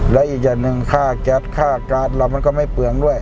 และอีกอย่างหนึ่งค่าแก๊สค่าการ์ดเรามันก็ไม่เปลืองด้วย